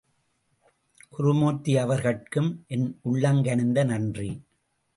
குருமூர்த்தி அவர்கட்கும் என் உளங்கனிந்த நன்றி.